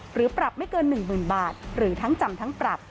หรือปรับไม่เกิน๑๐๐๐บาทหรือทั้งจำทั้งปรับ